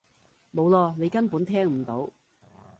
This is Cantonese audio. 冇囉！你根本聽唔到！